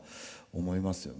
思いますよね。